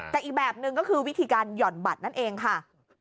แต่อีกแบบหนึ่งก็คือวิธีการหย่อนบัตรนั่นเองค่ะ